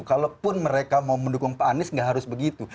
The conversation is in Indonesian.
kalaupun mereka mau mendukung pak anies nggak harus begitu